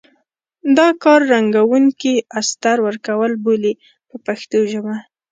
دا کار رنګوونکي استر ورکول بولي په پښتو ژبه.